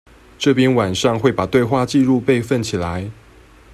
這邊晚上會把對話記錄備份起來